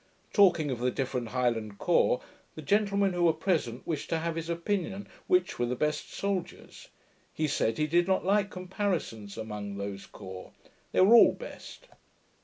Talking of the different Highland corps, the gentlemen who were present wished to have his opinion which were the best soldiers. He said, he did not like comparisons among those corps: they were all best.